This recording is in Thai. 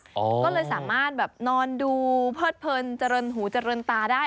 ก็เลยสามารถแบบนอนดูเพิดเพลินเจริญหูเจริญตาได้